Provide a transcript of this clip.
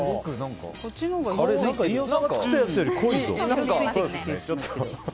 色が飯尾さんが作ったやつより濃い。